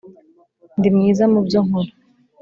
ndi mwiza mubyo nkora